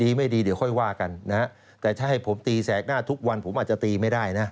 ไม่ดีเดี๋ยวค่อยว่ากันนะฮะแต่ถ้าให้ผมตีแสกหน้าทุกวันผมอาจจะตีไม่ได้นะ